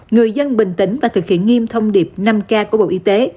người dân bình tĩnh và thực hiện nghiêm thông điệp năm k của bộ y tế